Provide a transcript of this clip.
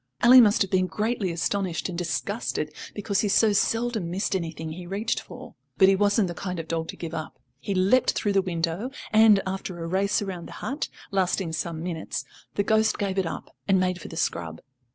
Ally must have been greatly astonished and disgusted, because he so seldom missed anything he reached for. But he wasn't the kind of dog to give up. He leapt through the window, and, after a race round the hut, lasting some minutes, the ghost gave it up, and made for the scrub.